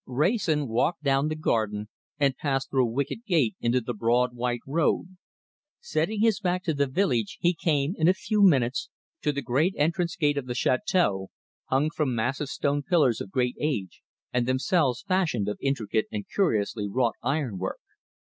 Wrayson walked down the garden and passed through a wicket gate into the broad white road. Setting his back to the village, he came, in a few minutes, to the great entrance gate of the château, hung from massive stone pillars of great age, and themselves fashioned of intricate and curiously wrought ironwork.